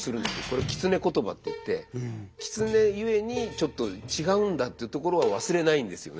これ狐言葉って言って狐ゆえにちょっと違うんだっていうところは忘れないんですよね